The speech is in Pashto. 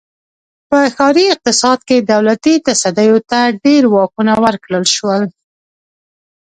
په ښاري اقتصاد کې دولتي تصدیو ته ډېر واکونه ورکړل شول.